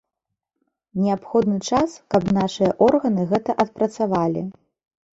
Неабходны час, каб нашыя органы гэта адпрацавалі.